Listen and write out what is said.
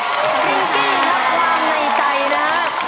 จริงงั้นล่างในใจนะ